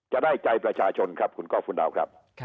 จะได้ใจประชาชนครับคุณก้อคุณดาวครับ